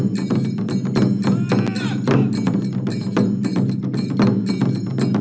ตอนนี้มาลุ้นกันล่ะครับ